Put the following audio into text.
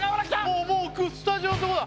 もうもうスタジオのところだ